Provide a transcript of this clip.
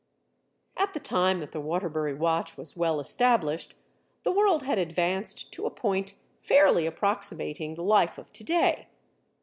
At the time that the Waterbury watch was well established, the world had advanced to a point fairly approximating the life of to day.